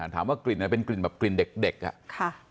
ถามว่ากลิ่นไหนเป็นกลิ่นแบบกลิ่นเด็กอ่ะค่ะ